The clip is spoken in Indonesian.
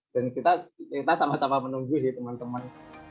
dan kita sama sama menunggu sih teman teman